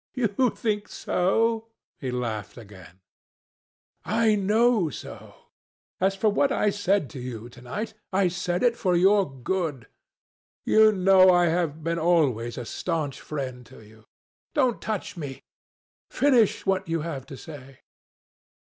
"You think so?" He laughed again. "I know so. As for what I said to you to night, I said it for your good. You know I have been always a stanch friend to you." "Don't touch me. Finish what you have to say."